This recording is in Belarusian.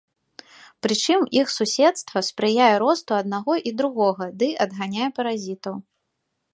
Прычым, іх суседства спрыяе росту аднаго і другога ды адганяе паразітаў.